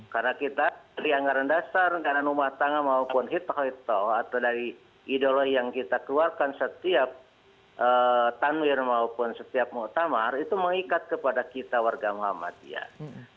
karena kita dari anggaran dasar anggaran umat tangga maupun hitah hitah atau dari ideologi yang kita keluarkan setiap tanwir maupun setiap muktamar itu mengikat kepada kita warga muhammadiyah